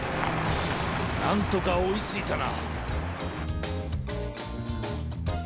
なんとかおいついたな。